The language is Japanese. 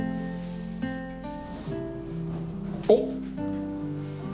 おっ。